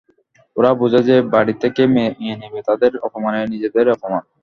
ওরা বোঝে যে, যে বাড়ি থেকে মেয়ে নেবে তাদের অপমানে নিজেদেরই অপমান।